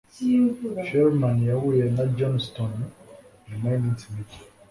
Sherman yahuye na Johnston nyuma yiminsi mike.